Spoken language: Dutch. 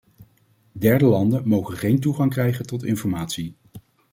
Derde landen mogen geen toegang krijgen tot informatie.